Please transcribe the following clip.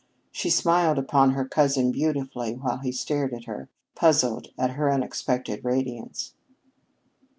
She smiled upon her cousin beautifully, while he stared at her, puzzled at her unexpected radiance.